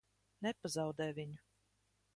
Nepazaudē viņu!